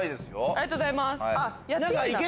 ありがとうございます。